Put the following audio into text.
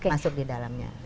masuk di dalamnya